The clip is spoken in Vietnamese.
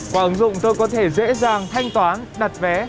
qua ứng dụng tôi có thể dễ dàng thanh toán đặt vé